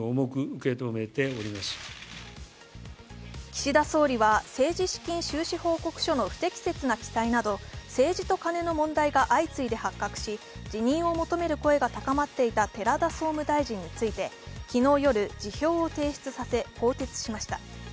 岸田総理は政治資金収支報告書の不適切な記載など政治とカネの問題が相次いで発覚し、辞任を求める声が高まっていた寺田総務大臣について、昨日夜、辞表を提出させ更迭させました。